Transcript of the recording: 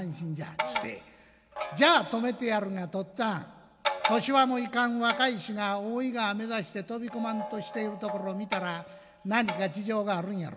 っちゅうて「じゃあ止めてやるが父っつぁん年端もいかん若い衆が大井川目指して飛び込まんとしているところを見たら何か事情があるんやろ。